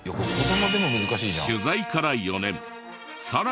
取材から４年あっ